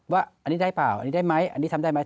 ว่าอันนี้ได้เปล่าอันนี้ได้ไหมอันนี้ทำได้ไหม